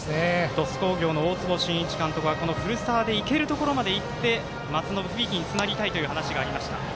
鳥栖工業の大坪慎一監督はこの古澤でいけるところまでいって松延響につなげたいという話がありました。